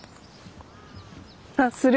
あっする。